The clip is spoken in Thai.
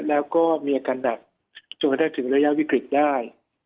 แล้วก็มีอาการหนักจนกระทั่งถึงระยะวิกฤตได้